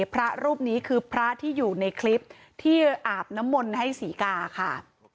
พระรูปนี้คือพระที่อยู่ในคลิปที่อาบน้ำมนต์ให้ศรีกาค่ะ